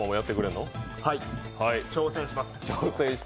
挑戦します。